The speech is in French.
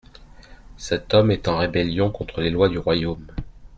Cet homme est en rébellion contre les lois du royaume.